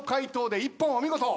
お見事！